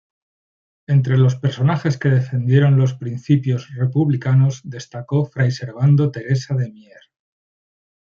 Entre los personajes que defendieron los principios republicanos destacó fray Servando Teresa de Mier.